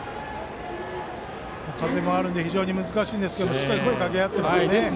風もあるので非常に難しいんですけどしっかり声をかけ合っていますね。